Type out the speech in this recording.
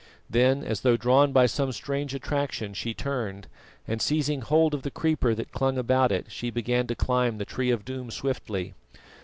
Then, as though drawn by some strange attraction, she turned, and seizing hold of the creeper that clung about it, she began to climb the Tree of Doom swiftly.